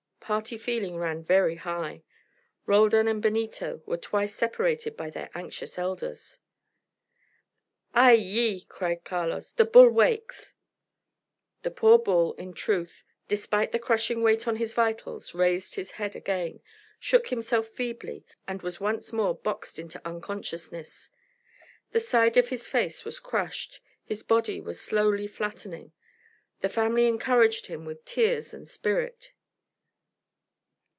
Party feeling ran very high. Roldan and Benito were twice separated by their anxious elders. "Ay! yi!" cried Carlos. "The bull wakes." The poor bull, in truth, despite the crushing weight on his vitals, raised his head again, shook himself feebly, and was once more boxed into unconsciousness. The side of his face was crushed; his body was slowly flattening. The family encouraged him with tears and spirit.